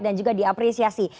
dan juga diapresiasi